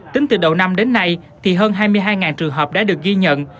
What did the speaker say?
tính từ đầu năm đến nay thì hơn hai mươi hai trường hợp đã được ghi nhận